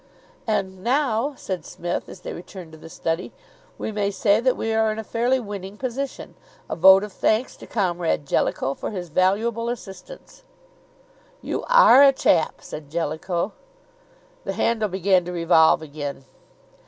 "And now," said Psmith, as they returned to the study, "we may say that we are in a fairly winning position. A vote of thanks to Comrade Jellicoe for his valuable assistance." "You are a chap!" said Jellicoe. The handle began to revolve again.